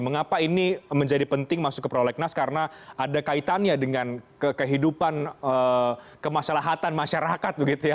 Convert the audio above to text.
mengapa ini menjadi penting masuk ke prolegnas karena ada kaitannya dengan kehidupan kemaslahatan masyarakat begitu ya